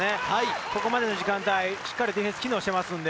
ここまでの時間帯、しっかりディフェンスが機能しています。